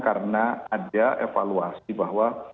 karena ada evaluasi bahwa